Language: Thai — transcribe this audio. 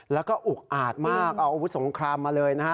แล้วก็อุกอาจมากเอาอาวุธสงครามมาเลยนะฮะ